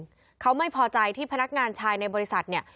เขาไม่พอใจที่พนักงานชายในบริษัทเนี่ย